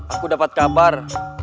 aku dapat kabar